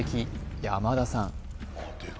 山田さん